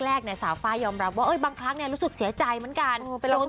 แรกเนี่ยสาวฟ้ายอมรับว่าบางครั้งเนี่ยรู้สึกเสียใจเหมือนกัน